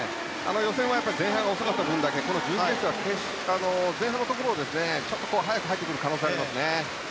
予選は前半が遅かった分だけこの準決勝は前半のところちょっと早く入ってくる可能性がありますね。